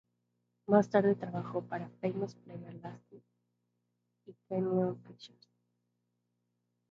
Más tarde trabajó para Famous Players-Lasky y Canyon Pictures.